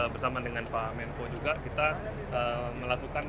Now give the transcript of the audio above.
bersama dengan pak menko juga kita melakukan